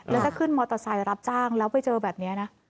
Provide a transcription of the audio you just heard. แล้วถ้าขึ้นมอเตอร์ไซค์รับจ้างแล้วไปเจอแบบนี้นะ